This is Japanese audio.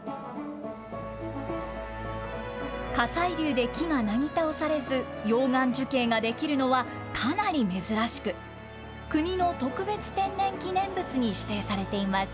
火砕流で木がなぎ倒されず、溶岩樹型が出来るのはかなり珍しく、国の特別天然記念物に指定されています。